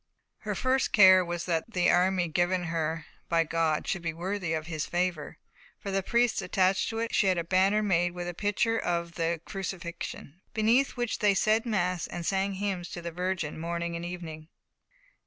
Her first care was that the army given her by God should be worthy of His favour. For the priests attached to it, she had a banner made with a picture of the Crucifixion, beneath which they said mass and sang hymns to the Virgin morning and evening.